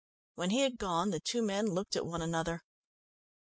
When he had gone the two men looked at one another.